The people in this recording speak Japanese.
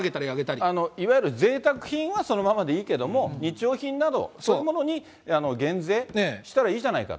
いわゆるぜいたく品はそのままでいいけども、日用品など、そういうものに減税したらいいじゃ８パー。